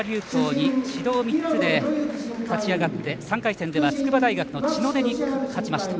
昂に指導３つで勝ち上がって３回戦では筑波大学の千野根に勝ちました。